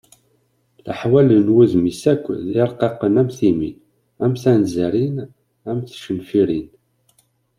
Leḥwal n wudem-is akk d irqaqen am timmi, am tanzarin, am tcenfirin.